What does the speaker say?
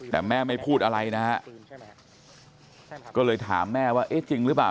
แต่แม่ไม่พูดอะไรนะฮะก็เลยถามแม่ว่าเอ๊ะจริงหรือเปล่า